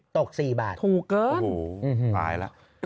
ตก๔บาทโหโฮไปละถูกเกิน